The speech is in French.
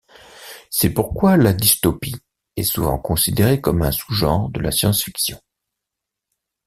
C'est pourquoi la dystopie est souvent considérée comme un sous-genre de la science-fiction.